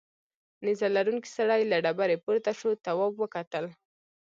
نیزه لرونکی سړی له ډبرې پورته شو تواب وکتل.